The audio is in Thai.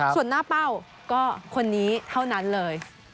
ส่วนหน้าเป้าก็คนนี้เท่านั้นเลย